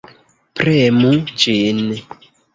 Premu ĝin.